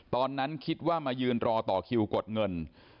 ตอนนั้นคิดว่ามายืนรอต่อคิวกดเงิน